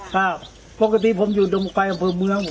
ครับปกติผมอยู่ตรงไกลอำเภอเมือง